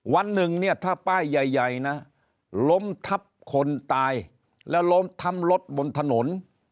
วันหนึ่งเนี่ยถ้าป้ายใหญ่นะล้มทับคนตายแล้วล้มทับรถบนถนน